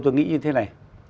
tôi nghĩ như thế này